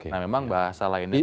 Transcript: nah memang bahasa lainnya